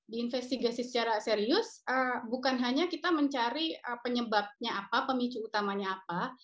diinvestigasi secara serius bukan hanya kita mencari penyebabnya apa pemicu utamanya apa